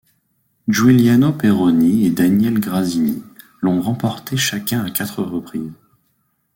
Giuliano Peroni et Daniele Grazzini l'ont remportée chacun à quatre reprises.